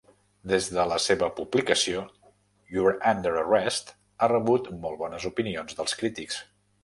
Des de la seva publicació, "You're Under Arrest" ha rebut molt bones opinions dels crítics.